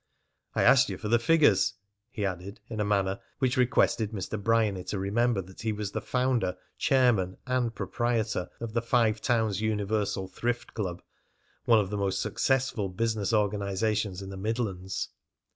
"I asked you for the figures," he added in a manner which requested Mr. Bryany to remember that he was the founder, chairman, and proprietor of the Five Towns Universal Thrift Club, one of the most successful business organisations in the Midlands.